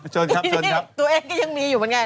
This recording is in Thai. เชิญครับตัวเองก็ยังมีอยู่มันไง